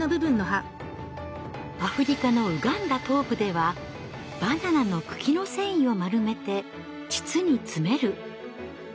アフリカのウガンダ東部ではバナナの茎の繊維を丸めて膣に詰める。